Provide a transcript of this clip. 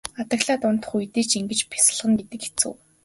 Адаглаад унтах үедээ ч ингэж бясалгана гэдэг хэцүү.